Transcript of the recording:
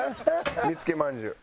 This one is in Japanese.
見付けまんじゅう。